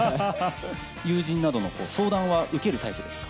友人などの相談は受けるタイ